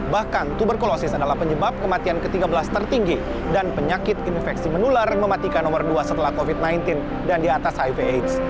bahkan tuberkulosis adalah penyebab kematian ke tiga belas tertinggi dan penyakit infeksi menular mematikan nomor dua setelah covid sembilan belas dan di atas hiv aids